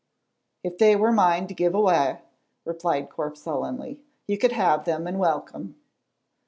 "If they were mine to give awa'," replied Corp sullenly, "you could have them and welcome."